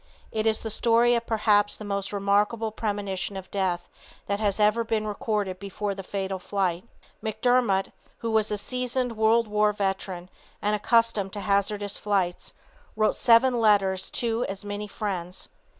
It is the story of perhaps the most remarkable premonition of death that ever has been recorded before the fatal flight. McDermott, who was a seasoned world war veteran and accustomed to hazardous flights, wrote seven letters to as many friends.